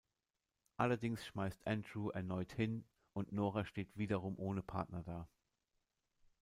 Allerdings schmeißt Andrew erneut hin und Nora steht wiederum ohne Partner da.